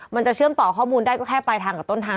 มันจะเชื่อมต่อข้อมูลได้ก็แค่ปลายทางกับต้นทาง